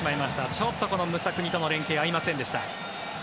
ちょっとムサクニとの連係が合いませんでした。